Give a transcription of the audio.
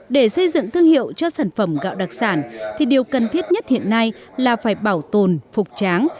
để xây dựng thương hiệu cho sản phẩm gạo đặc sản thì điều cần thiết nhất hiện nay là phải bảo tồn phục tráng